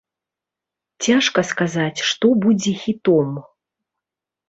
Цяжка сказаць, што будзе хітом.